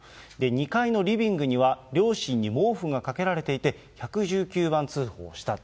２階のリビングには、両親に毛布がかけられていて、１１９番通報した。